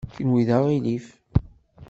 Kenwi d aɣilif.